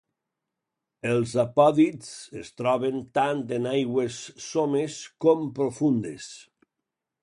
Els apòdids es troben tant en aigües somes com profundes.